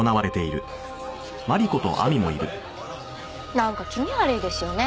なんか気味悪いですよね。